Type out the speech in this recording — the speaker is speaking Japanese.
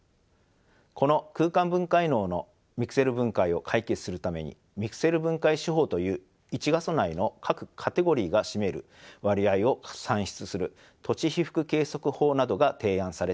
この空間分解能のミクセル問題を解決するためにミクセル分解手法という１画素内の各カテゴリが占める割合を算出する土地被覆計測法などが提案されています。